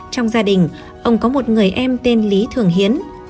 trong gia đình ông có một người em tên lý thường hiến